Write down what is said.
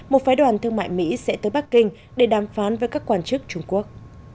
một phái đoàn thương mại mỹ sẽ tới bắc kinh để đàm phán với các quan chức trung quốc